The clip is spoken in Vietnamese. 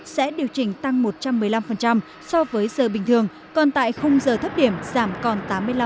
sẽ điều chỉnh tăng một trăm một mươi năm so với giờ bình thường còn tại khung giờ thấp điểm giảm còn tám mươi năm